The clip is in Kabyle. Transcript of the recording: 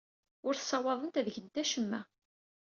Ur ssawaḍent ad gent acemma.